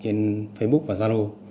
trên facebook và zalo